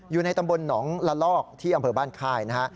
อยู่ในตำบลหนองละลอกที่อำเภอบ้านค่ายนะฮะ